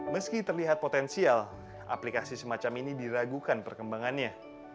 meski terlihat potensial aplikasi semacam ini diragukan perkembangannya